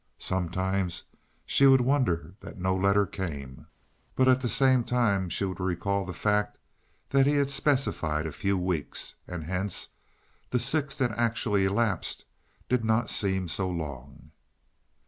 Sometimes she would wonder that no letter came, but at the same time she would recall the fact that he had specified a few weeks, and hence the six that actually elapsed did not seem so long.